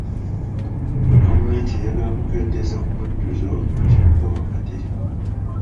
Gavumenti eyagala kukendeeza ku mujjuzo kibuga wakati.